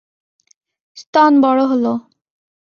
স্তন বড় হলো।